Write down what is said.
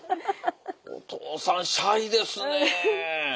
お父さんシャイですねえ。